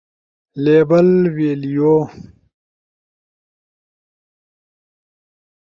لیبل، ویلیو